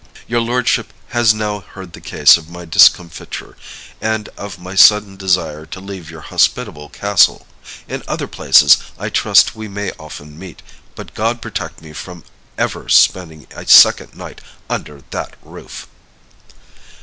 "Your lordship has now heard the cause of my discomfiture, and of my sudden desire to leave your hospitable castle. In other places I trust we may often meet; but God protect me from ever spending a second night under that roof!"